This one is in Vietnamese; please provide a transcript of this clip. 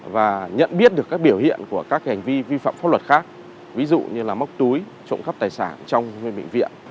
và nhận biết được các biểu hiện của các hành vi vi phạm pháp luật khác ví dụ như là móc túi trộm cắp tài sản trong bệnh viện